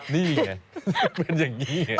นี่เหรอเป็นอย่างนี้เหรอ